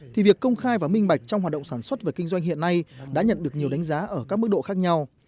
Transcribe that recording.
thì việc công khai và minh bạch trong hoạt động sản xuất và kinh doanh hiện nay đã nhận được nhiều đánh giá ở các mức độ khác nhau